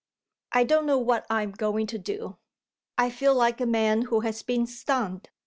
I don't know what I am going to do; I feel like a man who has been stunned.